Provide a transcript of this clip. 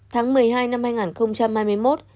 tháng một mươi hai năm hai nghìn hai mươi một